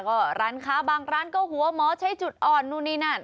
ก็ร้านค้าบางร้านก็หัวหมอใช้จุดอ่อนนู่นนี่นั่น